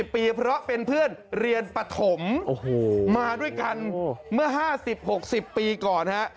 ปีเพราะเป็นเพื่อนเรียนปฐมมาด้วยกันเมื่อ๕๐๖๐ปีก่อนฮะ